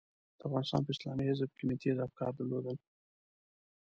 د افغانستان په اسلامي حزب کې مې تېز افکار درلودل.